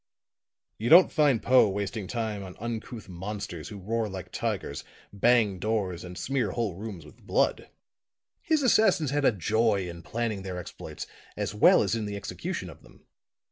"You don't find Poe wasting time on uncouth monsters who roar like tigers, bang doors and smear whole rooms with blood. His assassins had a joy in planning their exploits as well as in the execution of them.